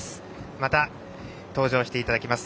また登場していただきます。